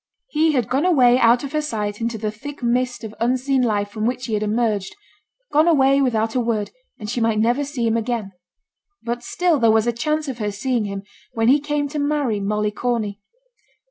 He had gone away out of her sight into the thick mist of unseen life from which he had emerged gone away without a word, and she might never see him again. But still there was a chance of her seeing him when he came to marry Molly Corney.